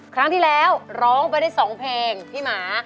ครั้งที่แล้วร้องไปได้๒เพลงพี่หมา